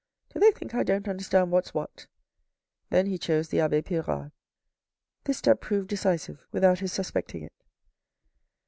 " Do they think I don't understand what's what ?" Then he chose the abbe Pirard. This step proved decisive without his suspecting it.